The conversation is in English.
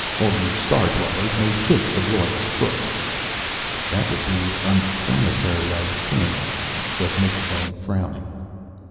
"All you star dwellers may kiss the royal foot." "That would be unsanitary, I think," said McIlvaine, frowning.